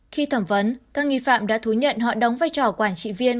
khi thẩm vấn các nghi phạm đã thú nhận họ đóng vai trò quản trị viên